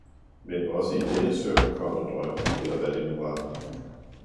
Men også i denne søvn kom en drøm, eller hvad det nu var.